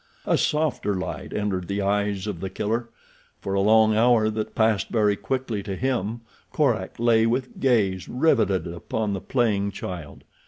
A softer light entered the eyes of The Killer. For a long hour that passed very quickly to him Korak lay with gaze riveted upon the playing child.